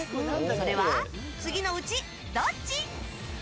それは次のうち、どっち？